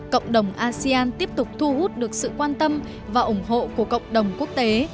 cộng đồng asean tiếp tục thu hút được sự quan tâm và ủng hộ của cộng đồng quốc tế